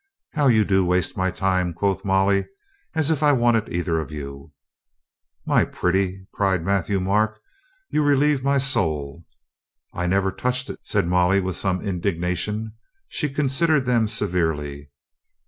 "How you do waste my time," quoth Molly. "As if I wanted either of you." "My pretty," cried Matthieu Marc, "you relieve my soul." "I never touched it," said Molly with some in dignation. She considered them severely.